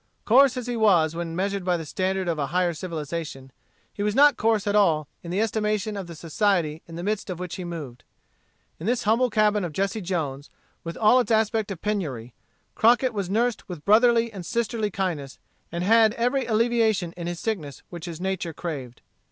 Coarse as he was when measured by the standard of a higher civilization, he was not coarse at all in the estimation of the society in the midst of which he moved. In this humble cabin of Jesse Jones, with all its aspect of penury, Crockett was nursed with brotherly and sisterly kindness, and had every alleviation in his sickness which his nature craved.